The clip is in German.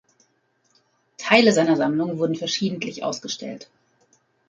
Teile seiner Sammlung wurden verschiedentlich ausgestellt.